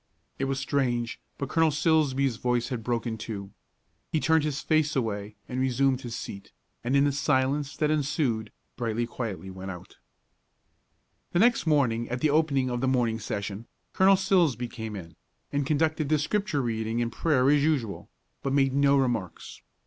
It was strange, but Colonel Silsbee's voice had broken, too. He turned his face away and resumed his seat, and, in the silence that ensued, Brightly went quietly out. The next morning at the opening of the morning session, Colonel Silsbee came in, and conducted the Scripture reading and prayer as usual, but made no remarks.